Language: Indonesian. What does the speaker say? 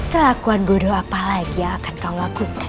kelakuan bodoh apalagi yang akan kau lakukan